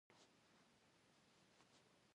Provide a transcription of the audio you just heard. ما ستا په سترګو کې خاورې واچولې او ما نه دې خر جوړ کړ.